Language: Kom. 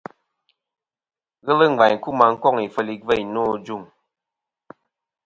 Ghelɨ ngvaynkuma koŋ ifel igveyn no.